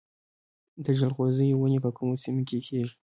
د جلغوزیو ونې په کومو سیمو کې کیږي؟